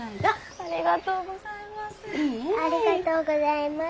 ありがとうございます。